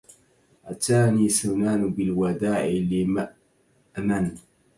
أتاني سنان بالوداع لمؤمن